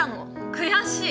悔しい！